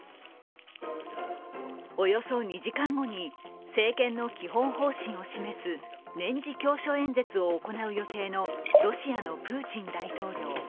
およそ２時間後に政権の基本方針を示す年次教書演説を行う予定のロシアのプーチン大統領。